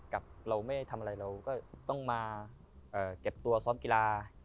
กับเราไม่ทำอะไรเราก็ต้องมาเก็บตัวซ้อมกีฬา